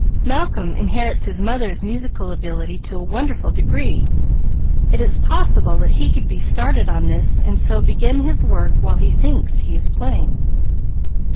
Malcolm inherits his mother's musical ability to a wonderful degree. It is possible that he could be started on this, and so begin his work while he thinks he's playing."